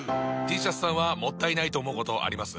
Ｔシャツさんはもったいないと思うことあります？